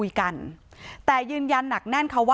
ที่โพสต์ก็คือเพื่อต้องการจะเตือนเพื่อนผู้หญิงในเฟซบุ๊คเท่านั้นค่ะ